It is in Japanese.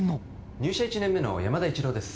入社１年目の山田一郎です